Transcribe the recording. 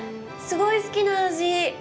すごい好きな味。